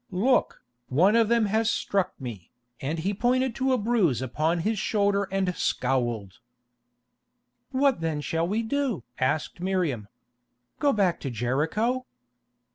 Look, one of them has struck me," and he pointed to a bruise upon his shoulder and scowled. "What then shall we do?" asked Miriam. "Go back to Jericho?"